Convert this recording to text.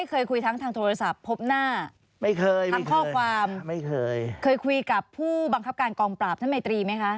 เคยคุยกับผู้บังคับการกองปราบท่านไมโตรีไหมคะ